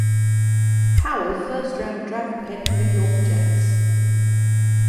Powell first round draft pick New York Jets.